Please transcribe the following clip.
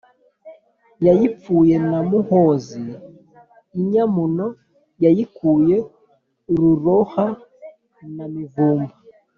yayipfuye na Muhozi, inyamuno yayikuye Ruroha na Mivumba.